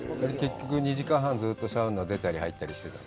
結局、２時間半、ずっとサウナ、出たり入ったりしてたの？